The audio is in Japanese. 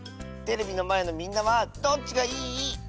テレビのまえのみんなはどっちがいい？